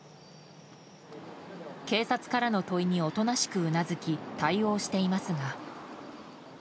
警察からの問いにおとなしくうなずき対応していますが。